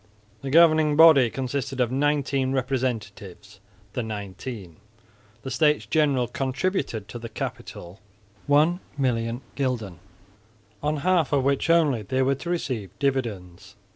The governing body consisted of nineteen representatives, the Nineteen. The States General contributed to the capital 1,000,000 fl., on half of which only they were to receive dividends.